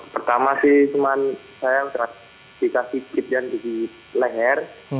pertama sih cuman saya dikasih kit dan di leher